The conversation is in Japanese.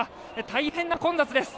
大変な混雑です。